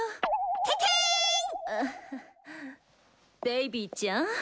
ベイビーちゃん